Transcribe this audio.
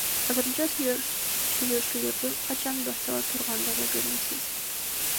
Азырынча сүйлөшүүлөрдүн качан баштала тургандыгы белгисиз.